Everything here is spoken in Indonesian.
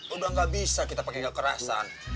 udah gabisa kita pake kekerasan